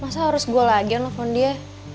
masa harus gue lagi yang nelfon dia